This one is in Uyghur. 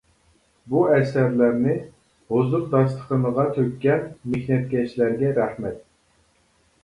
بۇ ئەسەرلەرنى ھۇزۇر داستىخىنىغا تۆككەن مېھنەتكەشلەرگە رەھمەت!